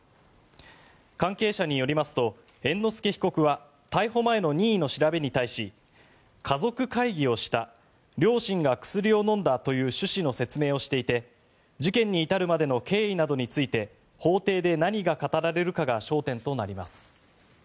関係者によりますと猿之助被告は逮捕前の任意の調べに対し家族会議をした両親が薬を飲んだという趣旨の説明をしていて事件に至るまでの経緯などについて法廷で何が語られるかが焦点となります。